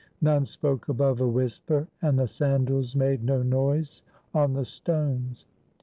None spoke above a whisper, and the sandals made no noise on the stones.